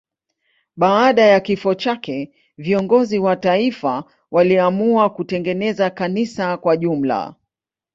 Baada ya kifo chake viongozi wa taifa waliamua kutengeneza kanisa kwa jumla.